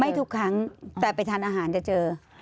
ทุกครั้งแต่ไปทานอาหารจะเจอ